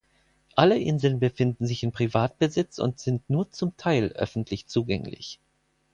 Alle Inseln befinden sich in Privatbesitz und sind nur zum Teil öffentlich zugänglich.